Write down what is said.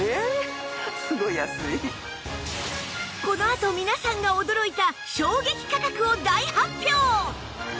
このあと皆さんが驚いた衝撃価格を大発表！